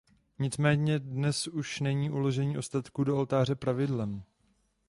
Nicméně dnes už není uložení ostatků do oltáře pravidlem.